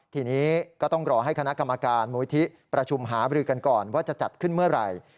ทีนี้ก็ต้องรอให้คณะกรรมการมูลิธิประชุมหาบริกันก่อนว่าจะจัดขึ้นเมื่อไหร่